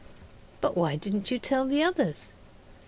'But why didn't you tell the others?